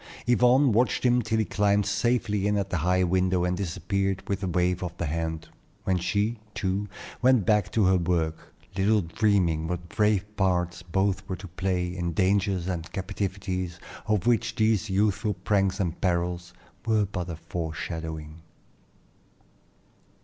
Yvonne watched him till he climbed safely in at the high window and disappeared with a wave of the hand, when she, too, went back to her work, little dreaming what brave parts both were to play in dangers and captivities of which these youthful pranks and perils were but a foreshadowing.